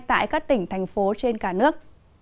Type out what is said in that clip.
tại các tỉnh thành phố trên cả nước